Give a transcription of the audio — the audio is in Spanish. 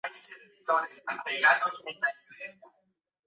Johnson jugó y defendió las cinco posiciones en el instituto.